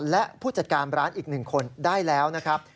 และผู้จัดการร้านอีก๑คนได้แล้วนะครับ